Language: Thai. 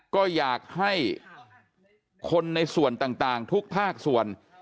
ก็อยากให้คนในส่วนต่างทุกภาคส่วน